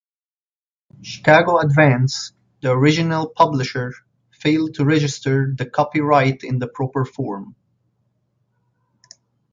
Chicago Advance, the original publisher, failed to register the copyright in the proper form.